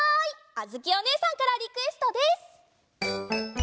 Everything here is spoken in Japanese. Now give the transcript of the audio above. あづきおねえさんからリクエストです！